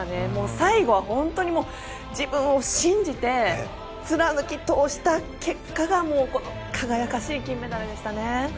最後は本当に自分を信じて貫き通した結果がこの輝かしい金メダルでしたね。